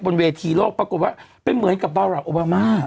บนเวทีโลกปรากฏว่าเป็นเหมือนกับบาราโอบามา